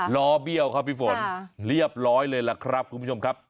ล้อเบี้ยวครับพี่ฝนเรียบร้อยเลยล่ะครับคุณผู้ชมครับ